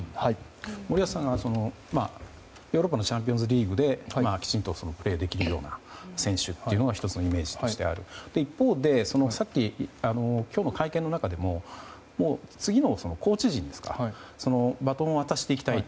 森保さんは、ヨーロッパのチャンピオンズリーグできちんとプレーできるような選手というのが１つのイメージとしてあると。一方で今日の会見の中でも次のコーチ陣にバトンを渡していきたいと。